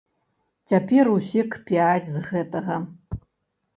Цяпер усе кпяць з гэтага.